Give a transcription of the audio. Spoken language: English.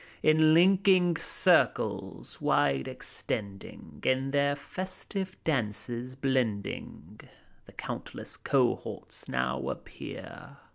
In linking circles, wide extending, — In their festive dances blending, — The countless cohorts now appear.